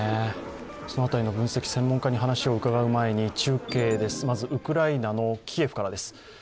その辺りの分析、専門家に話を伺う前に中継です、まずウクライナのキエフからです。